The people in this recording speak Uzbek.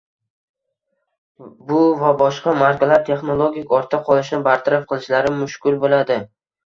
bu va boshqa markalar texnologik ortda qolishni bartaraf qilishlari mushkul bo‘ladi.